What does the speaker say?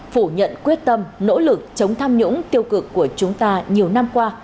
phủ nhận quyết tâm nỗ lực chống tham nhũng tiêu cực của chúng ta nhiều năm qua